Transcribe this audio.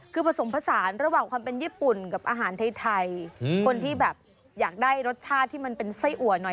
คือผสมผสานระหว่างความเป็นญี่ปุ่นกับอาหารไทยคนที่แบบอยากได้รสชาติที่มันเป็นไส้อัวหน่อย